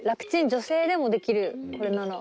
女性でもできるこれなら。